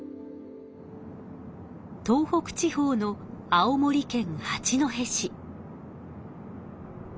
東北地方の青森県八戸市。